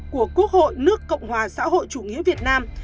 của quốc hội nước cộng hòa xã hội chủ nghĩa việt nam